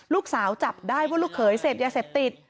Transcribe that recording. จับได้ว่าลูกเขยเสพยาเสพติด